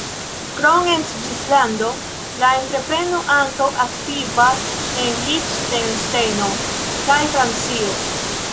Krom en Svislando la entrepreno ankaŭ aktivas en Liĥtenŝtejno kaj Francio.